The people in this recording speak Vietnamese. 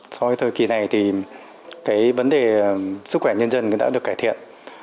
so với thời kỳ này thì cái vấn đề sức khỏe nhân dân đã được cải thiện